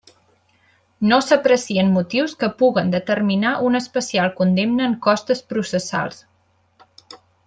No s'aprecien motius que puguen determinar una especial condemna en costes processals.